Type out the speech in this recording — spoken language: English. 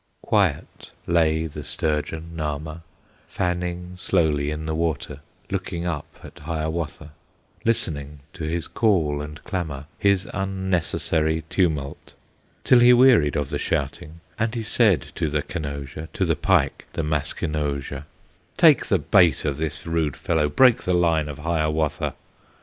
Quiet lay the sturgeon, Nahma, Fanning slowly in the water, Looking up at Hiawatha, Listening to his call and clamor, His unnecessary tumult, Till he wearied of the shouting; And he said to the Kenozha, To the pike, the Maskenozha, "Take the bait of this rude fellow, Break the line of Hiawatha!"